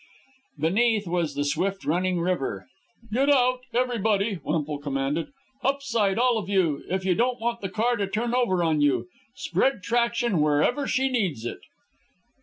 Beneath was the swift running river. "Get out everybody!" Wemple commanded. "Up side, all of you, if you don't want the car to turn over on you. Spread traction wherever she needs it."